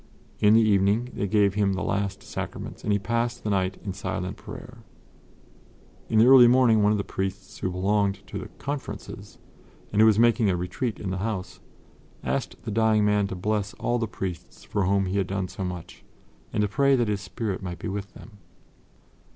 In the evening they gave him the Last Sacraments, and he passed the night in silent prayer. In the early morning one of the priests who belonged to the "Conferences," and who was making a retreat in the house, asked the dying man to bless all the priests for whom he had done so much and to pray that his spirit might be with them.